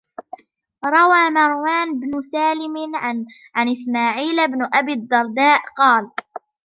رَوَى مَرْوَانُ بْنُ سَالِمٍ عَنْ إسْمَاعِيلَ بْنِ أَبِي الدَّرْدَاءِ قَالَ